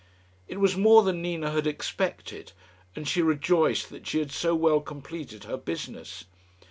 It was more than Nina had expected, and she rejoiced that she had so well completed her business.